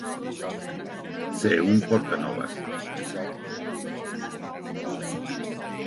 Ser un portanoves.